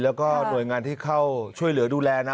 แล้วก็หน่วยงานที่เข้าช่วยเหลือดูแลนะ